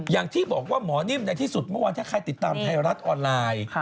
อย่างที่บอกว่าหมอนิ่มในที่สุดเมื่อวานถ้าใครติดตามไทยรัฐออนไลน์